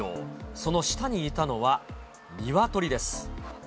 その下にいたのはニワトリです。